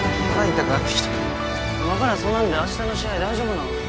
痛くなってきた今からそんなんで明日の試合大丈夫なん？